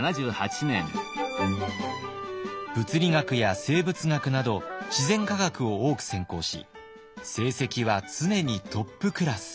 物理学や生物学など自然科学を多く専攻し成績は常にトップクラス。